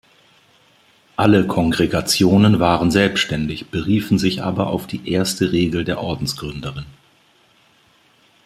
Alle Kongregationen waren selbständig, beriefen sich aber auf die erste Regel der Ordensgründerin.